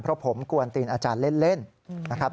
เพราะผมกวนตีนอาจารย์เล่นนะครับ